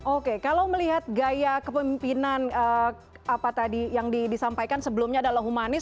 oke kalau melihat gaya kepemimpinan apa tadi yang disampaikan sebelumnya adalah humanis